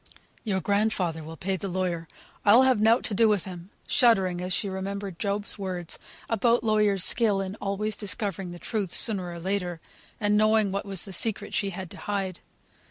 "Your grandfather will pay the lawyer. I'll have nought to do with him," shuddering as she remembered Job's words, about lawyers' skill in always discovering the truth, sooner or later; and knowing what was the secret she had to hide.